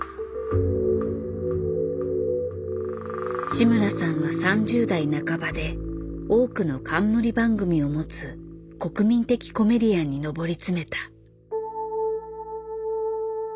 志村さんは３０代半ばで多くの冠番組を持つ国民的コメディアンに上り詰めた。